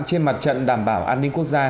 trên mặt trận đảm bảo an ninh quốc gia